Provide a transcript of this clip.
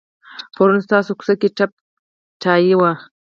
پرون ستاسو کوڅه کې ټپه ټایي وه.